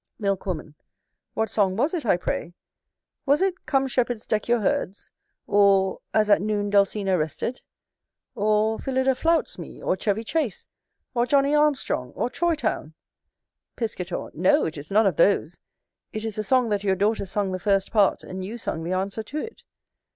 Milk woman. What song was it, I pray? Was it, "Come, Shepherds, deck your herds "? or, "As at noon Dulcina rested"? or, "Phillida flouts me"? or, "Chevy Chace"? or, "Johnny Armstrong"? or, "Troy Town"? Piscator. No, it is none of those; it is a Song that your daughter sung the first part, and you sung the answer to it.